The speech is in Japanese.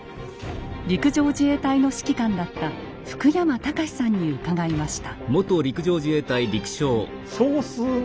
陸上自衛隊の指揮官だった福山隆さんに伺いました。